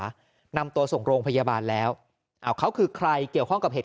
นำตัวส่งโรงพยาบาลแล้วอ้าวเขาคือใครเกี่ยวข้องกับเหตุ